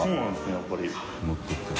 やっぱり。